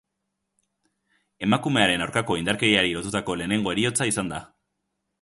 Emakumearen aurkakoindarkeriari lotutako lehenengo heriotza izan da.